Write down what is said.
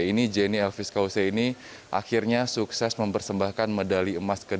ini jenny elvis kause ini akhirnya sukses mempersembahkan medali